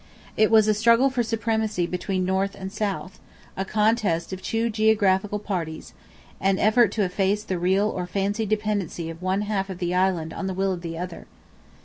It was a struggle for supremacy between north and south; a contest of two geographical parties; an effort to efface the real or fancied dependency of one half the island on the will of the other.